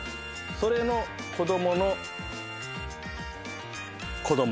それの子供の子供。